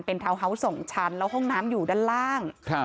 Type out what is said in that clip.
เป็นทาวน์เฮาส์๒ชั้นแล้วห้องน้ำอยู่ด้านล่าง